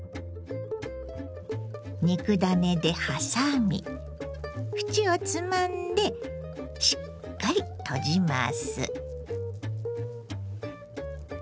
肉ダネで挟み縁をつまんでしっかり閉じます。